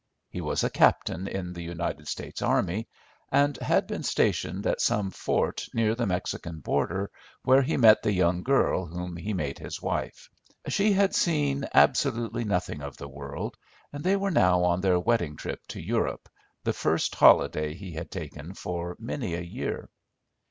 He was a captain in the United States army, and had been stationed at some fort near the Mexican border where he met the young girl whom he made his wife. She had seen absolutely nothing of the world, and they were now on their wedding trip to Europe, the first holiday he had taken for many a year.